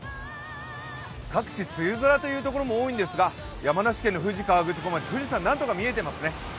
各地、梅雨空というところも多いんですが、山梨県の富士河口湖町富士山なんとか見えていますね。